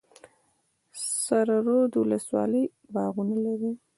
سره رود ولسوالۍ باغونه لري؟